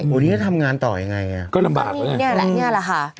อืมอันนี้ก็ทำงานต่อยังไงอ่ะก็ลำบากเนี้ยแหละเนี้ยแหละค่ะ